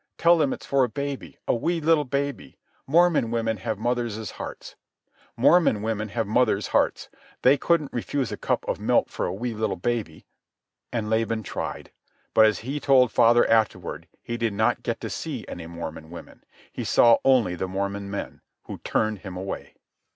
Tell them it's for a baby, a wee little baby. Mormon women have mother's hearts. They couldn't refuse a cup of milk for a wee little baby." And Laban tried. But, as he told father afterward, he did not get to see any Mormon women. He saw only the Mormon men, who turned him away.